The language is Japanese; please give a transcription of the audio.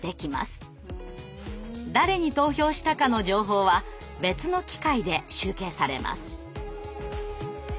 誰に投票したかの情報は別の機械で集計されます。